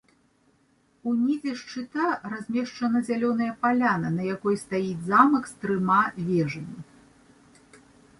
Унізе шчыта размешчана зялёная паляна, на якой стаіць замак з трыма вежамі.